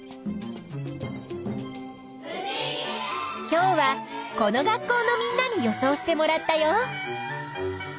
今日はこの学校のみんなに予想してもらったよ。